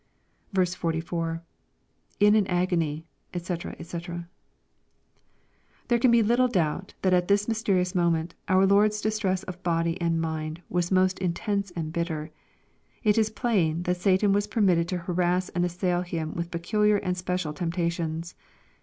a. — [In an agony, — dec, <fec.] There can be little doubt, that at this mysterious moment, our Lord's distress of body and mind was most intense and bitter. It is plain, that Satan was per mitted to harass and assail him with peculiar and special temptations.